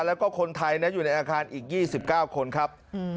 แล้วก็คนไทยนะอยู่ในอาคารอีกยี่สิบเก้าคนครับหือ